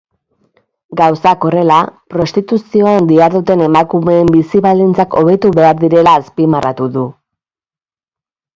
Gauzak horrela, prostituzioan diharduten emakumeen bizi-baldintzak hobetu behar direla azpimarratu du.